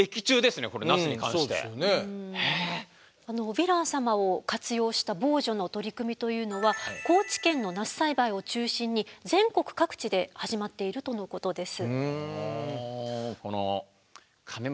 ヴィラン様を活用した防除の取り組みというのは高知県のナス栽培を中心に全国各地で始まっているとのことです。